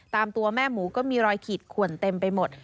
ตามตัวแม่หมูก็มีรอยขีดขวนเต็มไปหมด